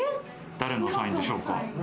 誰のサインでしょうか？